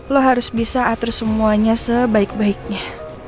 lo harus bisa atur semuanya sebaik baiknya